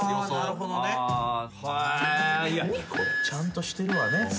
ちゃんとしてるわね。